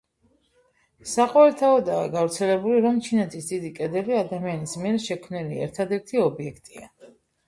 საყოველთაოდაა გავრცელებული, რომ ჩინეთის დიდი კედელი ადამიანის მიერ შექმნილი ერთადერთი ობიექტია.